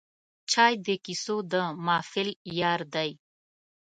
چای د کیسو د محفل یار دی